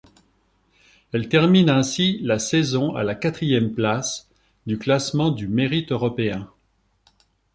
Elle termine ainsi la saison à la quatrième place du classement du mérite européen.